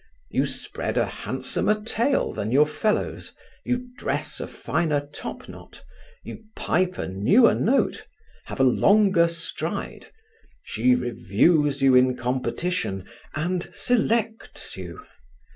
You spread a handsomer tail than your fellows, you dress a finer top knot, you pipe a newer note, have a longer stride; she reviews you in competition, and selects you.